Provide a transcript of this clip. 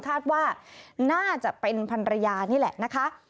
คาดว่าน่าจะเป็นพันรยานี่แหละนะคะ